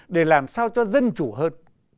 để làm sao cho dân chủ hơn